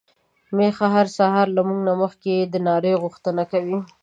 ميښه هر سهار له موږ نه مخکې د ناري غوښتنه کوي.